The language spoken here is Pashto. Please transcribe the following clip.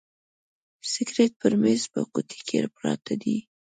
سګرېټ پر میز په قوطۍ کي پراته دي.